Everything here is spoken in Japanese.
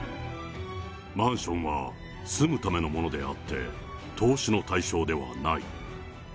マンションは住むためのものであって、投資の対象ではない。